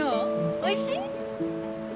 おいしい？